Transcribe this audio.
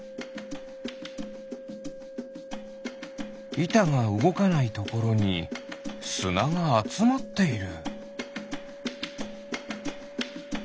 いたがうごかないところにすながあつまっている。